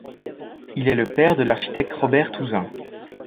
Il est le père de l'architecte Robert Touzin.